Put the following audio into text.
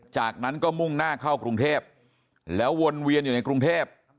จากนั้นก็มุ่งหน้าเข้ากรุงเทพแล้ววนเวียนอยู่ในกรุงเทพ